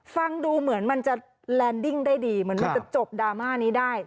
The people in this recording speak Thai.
ฟังดูเหมือนมันจะแลนดิ้งได้ดีเหมือนมันจะจบดราม่านี้ได้